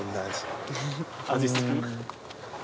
・味する？